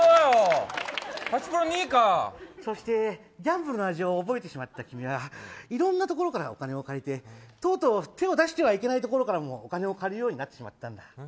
そして、ギャンブルの味を覚えてしまった君はいろんなところからお金を借りてとうとう手を出してはいけないところからもお金を借りることになってしまったんだ。